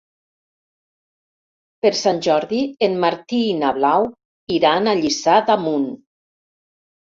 Per Sant Jordi en Martí i na Blau iran a Lliçà d'Amunt.